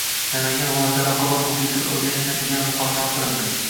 Namangan viloyatida raqobat muhitini o‘rganish natijalari muhokama qilinding